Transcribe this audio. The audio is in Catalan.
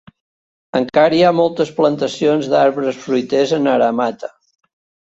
Encara hi ha moltes plantacions d'arbres fruiters a Naramata.